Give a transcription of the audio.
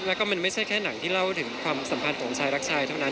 แล้วก็มันไม่ใช่แค่หนังที่เล่าถึงความสัมพันธ์ของชายรักชายเท่านั้น